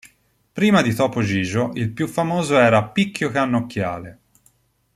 Prima di Topo Gigio, il più famoso era Picchio Cannocchiale.